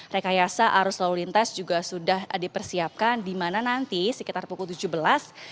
rekayasa arus lalu lintas juga sudah dipersiapkan di mana nanti sekitar pukul tujuh belas